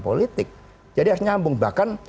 politik jadi harus nyambung bahkan